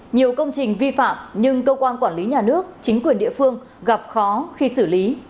nhiều công trình vi phạm nhưng cơ quan quản lý nhà nước chính quyền địa phương gặp khó khi xử lý